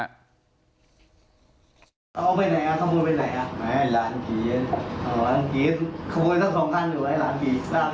เดี๋ยวผู้โครงเขาทำเริ่มเสร็จหรือว่าทำเริ่มการการที่เสร็จไปเอาเลยที่ร้าน๕คัน